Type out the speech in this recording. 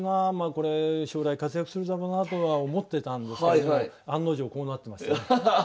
これ将来活躍するだろうなとは思ってたんですけど案の定こうなってますね。